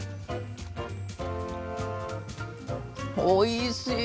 おいしい！